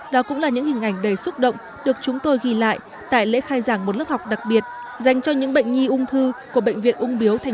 đó cũng là những hình ảnh đầy xúc động được chúng tôi ghi lại tại lễ khai giảng một lớp học đặc biệt dành cho những bệnh nhi ung thư của bệnh viện ung biếu tp hcm